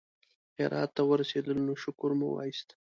هرات ته ورسېدلو نو شکر مو وایست.